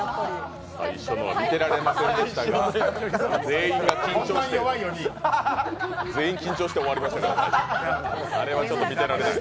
最初は見てられませんでしたが、全員緊張して終わりましたからあれはちょっと見ていられない。